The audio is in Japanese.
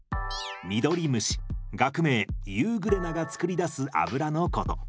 ミドリムシ学名ユーグレナが作り出す油のこと。